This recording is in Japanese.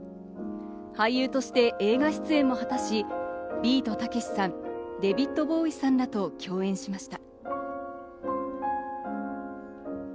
俳優として映画出演も果たし、ビートたけしさん、デヴィッド・ボウイさんらと共演しました。